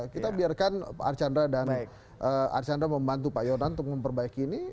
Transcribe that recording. kita biarkan archandra dan archandra membantu pak yonan untuk memperbaiki ini